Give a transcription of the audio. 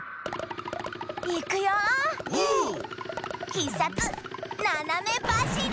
「ひっさつななめばしり」！